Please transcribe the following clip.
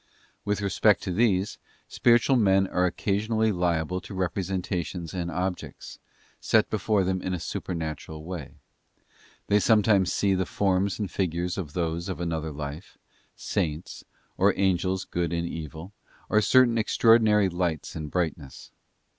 With respect to these, spiritual men are occasionally liable to representations and objects, set before them in a supernatural way. They sometimes see the forms and figures of those of another life, Saints, or Angels good and evil, or certain extraordinary lights and brightness.